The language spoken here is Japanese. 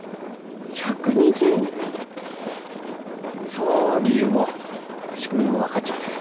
その理由も仕組みも分かっちゃあせん。